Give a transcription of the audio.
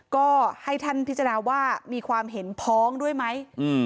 ก็ให้ท่านพิจารณาว่ามีความเห็นพ้องด้วยไหม